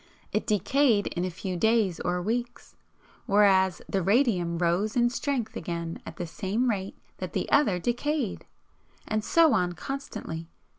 It decayed in a few days or weeks, WHEREAS THE RADIUM ROSE IN STRENGTH AGAIN AT THE SAME RATE THAT THE OTHER DECAYED. And so on constantly.